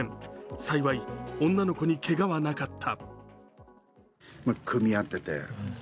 幸い女の子にけがはなかった。